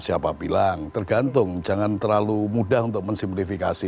siapa bilang tergantung jangan terlalu mudah untuk mensimplifikasi